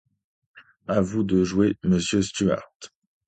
À vous de jouer, monsieur Stuart.